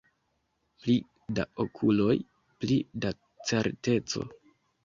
Pli da okuloj, pli da certeco.